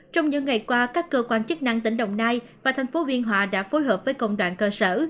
trong những ngày qua các cơ quan chức năng tỉnh đồng nai và thành phố biên hòa đã phối hợp với công đoàn cơ sở